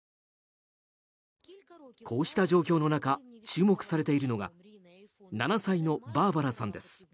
こうした状況の中注目されているのが７歳のバーバラさんです。